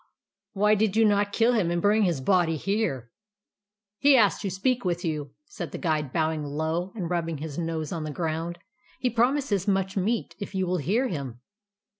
Why did you not kill him, and bring his body here ?"" He asks to speak with you," said the Guide, bowing low and rubbing his nose on the ground. " He promises much meat, if you will hear him."